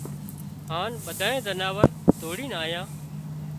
هانَ ٻڌانئي زناور ڌوڙينَ آيان